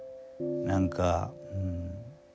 何かうん。